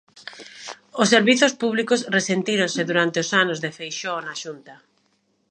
Os servizos públicos resentíronse durante os anos de Feixóo na Xunta.